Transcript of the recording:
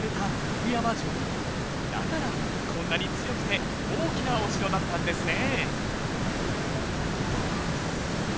だからこんなに強くて大きなお城だったんですね。